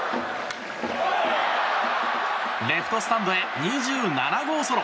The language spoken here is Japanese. レフトスタンドへ２７号ソロ！